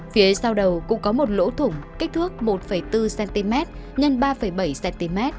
phía sau đầu cũng có một lỗ thủng kích thước một bốn cm x ba bảy cm